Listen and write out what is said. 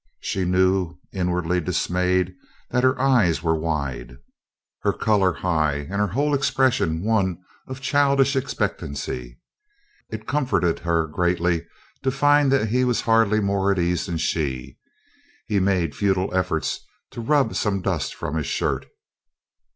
She knew, inwardly dismayed, that her eyes were wide, her color high, and her whole expression one of childish expectancy. It comforted her greatly to find that he was hardly more at ease than she. He made futile efforts to rub some dust from his shirt.